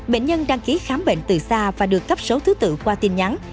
bệnh nhân đăng ký khám bệnh từ xa và được cấp số thứ tự qua tin nhắn